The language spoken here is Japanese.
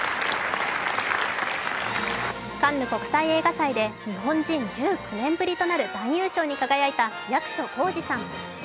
カンヌ国際映画祭で日本人１９年ぶりとなる男優賞に輝いた役所広司さん。